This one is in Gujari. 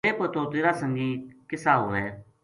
کے پتو تیرا سنگی کسا ہوئے